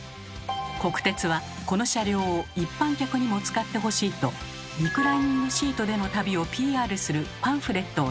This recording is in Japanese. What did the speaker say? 国鉄はこの車両を一般客にも使ってほしいとリクライニングシートでの旅をＰＲするパンフレットを作成。